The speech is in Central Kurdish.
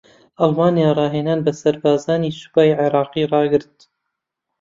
ئەڵمانیا راھێنان بە سەربازانی سوپای عێراقی راگرت